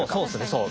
そう。